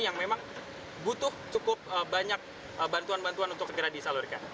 yang memang butuh cukup banyak bantuan bantuan untuk segera disalurkan